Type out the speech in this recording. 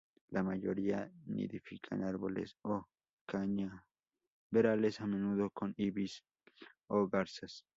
La mayoría nidifica en árboles o cañaverales, a menudo con ibis o garzas.